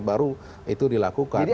baru itu dilakukan